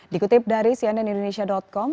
dikutip dari cnnindonesia com